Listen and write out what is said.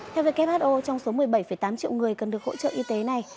theo who trong số một mươi bảy tám triệu người cần được hỗ trợ y tế này